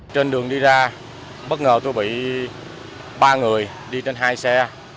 trên đường đi ra bất ngờ tôi bị ba người đi trên hai xe